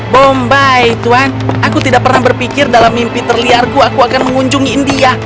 bombay tuhan aku tidak pernah berpikir dalam mimpi terliarku aku akan mengunjungi india